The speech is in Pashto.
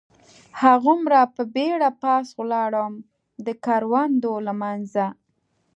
هغومره په بېړه پاس ولاړم، د کروندو له منځه.